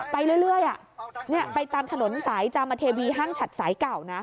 ไปเรื่อยไปตามถนนสายจามเทวีห้างฉัดสายเก่านะ